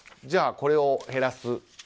じゃあこれを減らす。